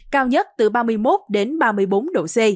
cao nhất từ ba mươi một đến ba mươi bốn độ c